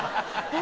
え？